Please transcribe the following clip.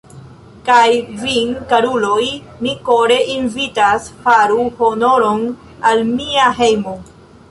Kaj vin, karuloj, mi kore invitas, faru honoron al mia hejmo!